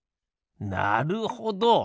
なるほど！